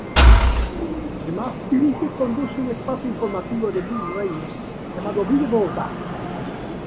Además dirige y conduce un espacio informativo de Blu Radio, llamado "Vive Bogotá".